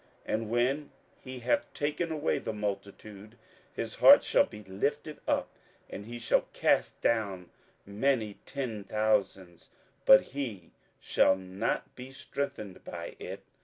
27:011:012 And when he hath taken away the multitude, his heart shall be lifted up; and he shall cast down many ten thousands: but he shall not be strengthened by it.